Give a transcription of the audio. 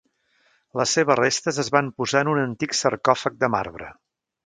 Les seves restes es van posar en un antic sarcòfag de marbre.